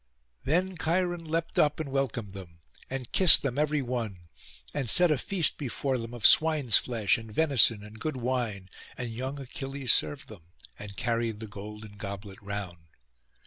Then Cheiron leapt up and welcomed them, and kissed them every one, and set a feast before them of swine's flesh, and venison, and good wine; and young Achilles served them, and carried the golden goblet round.